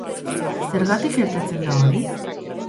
Zergatik gertatzen da hori?